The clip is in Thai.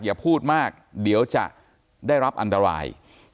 อย่าพูดมากเดี๋ยวจะได้รับอันตราย